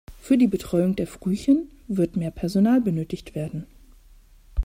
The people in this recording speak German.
Für die Betreuung der Frühchen wird mehr Personal benötigt werden.